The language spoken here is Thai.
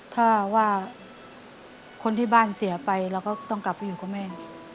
ถ้าว่าคนที่บ้านเสียไปเราก็ต้องกลับไปอยู่กับแม่